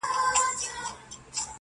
اوازې په کلي کي ډېر ژر خپرېږي,